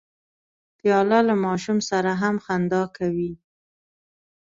پیاله له ماشوم سره هم خندا کوي.